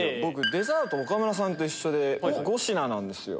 デザート岡村さんと一緒で５品なんですよ。